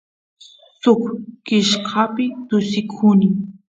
suk kishkapi tuksikuny